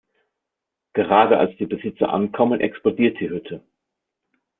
Gerade als die Besitzer ankommen, explodiert die Hütte.